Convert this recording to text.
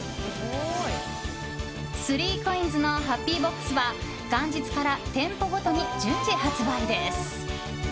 ３ＣＯＩＮＳのハッピーボックスは元日から店舗ごとに順次発売です。